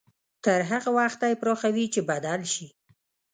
تر هغه وخته يې پراخوي چې بدل شي.